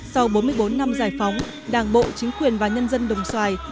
sau bốn mươi bốn năm giải phóng đảng bộ chính quyền và nhân dân đồng xoài